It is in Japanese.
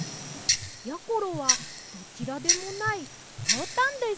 やころはどちらでもないひょうたんです。